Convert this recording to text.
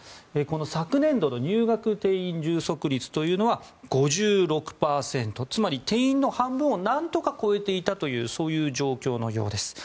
昨年度の入学定員充足率は５６％とつまり定員の半分を何とか超えていたというそういう状況のようです。